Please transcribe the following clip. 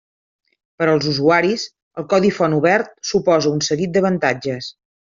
Per als usuaris, el codi font obert suposa un seguit d'avantatges.